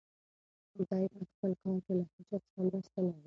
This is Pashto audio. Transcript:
دی په خپل کار کې له هیچا څخه مرسته نه غواړي.